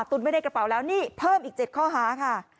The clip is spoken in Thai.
ตุนไม่ได้กระเป๋าแล้วนี่เพิ่มอีก๗ข้อหาค่ะ